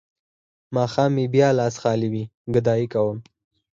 ماښام مې بيا هم لاس خالي وي ګدايي کومه.